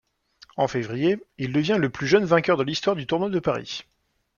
En février, il devient le plus jeune vainqueur de l'histoire du tournoi de Paris.